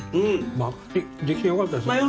まあできてよかったっすね。